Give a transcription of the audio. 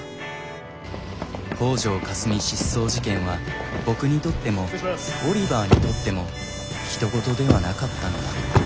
「北條かすみ失踪事件」は僕にとってもオリバーにとってもひと事ではなかったのだ。